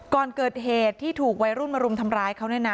ก่อนเกิดเหตุที่ถูกวัยรุ่นมารุมทำร้ายเขาเนี่ยนะ